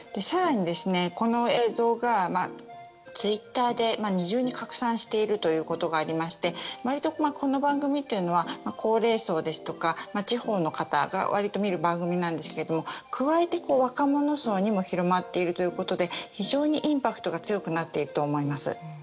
更に、この映像がツイッターで二重に拡散していることがありまして割と、この番組というのは高齢層ですとか地方の方が割とみる番組なんですが加えて、若者層にも広がっているということで非常にインパクトが強くなっていると思います。